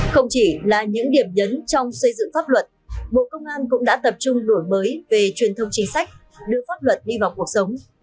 không chỉ là những điểm nhấn trong xây dựng pháp luật bộ công an cũng đã tập trung đổi mới về truyền thông chính sách đưa pháp luật đi vào cuộc sống